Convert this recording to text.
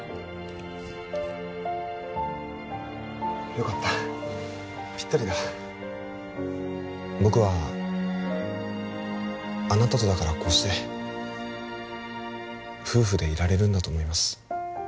よかったぴったりだ僕はあなたとだからこうして夫婦でいられるんだと思います